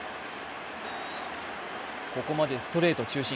ここまでストレート中心。